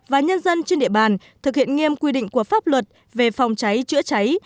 và nhân dân trên địa bàn thực hiện nghiêm quy định của pháp luật về phòng cháy chữa cháy